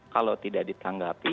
kalau tidak ditanggapi